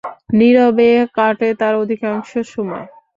নীরবে কাটে তার অধিকাংশ সময়।